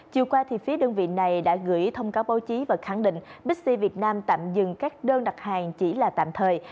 chiều qua phía đơn vị này đã gửi thông cáo báo chí và khẳng định bixi việt nam tạm dừng các đơn đặt hàng chỉ là tạm thời